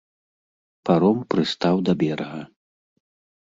Паром прыстаў да берага.